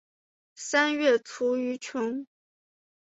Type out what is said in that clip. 三月卒于琼。